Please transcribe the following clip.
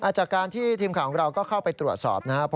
จากการที่ทีมข่าวของเราก็เข้าไปตรวจสอบนะครับ